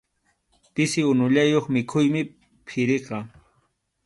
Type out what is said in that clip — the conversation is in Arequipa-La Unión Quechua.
Pisi unullayuq mikhuymi phiriqa.